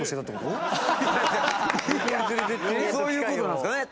そういう事なんですかね。